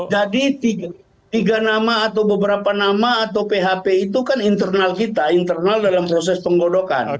jadi tiga nama atau beberapa nama atau php itu kan internal kita internal dalam proses penggodokan